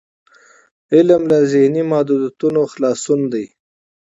علم له ذهني محدودیتونو خلاصون دی.